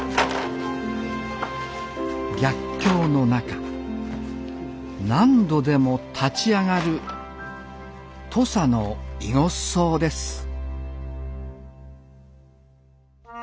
逆境の中何度でも立ち上がる土佐のいごっそうです